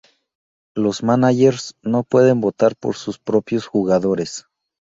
Los managers no pueden votar por sus propios jugadores.